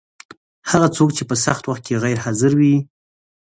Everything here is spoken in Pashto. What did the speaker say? هغه څوک چې په سخت وخت کي غیر حاضر وي